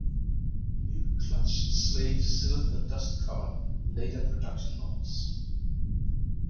New clutch slave cylinder dust cover, later production models.